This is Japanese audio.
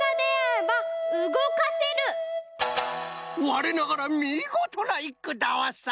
われながらみごとないっくだわさ！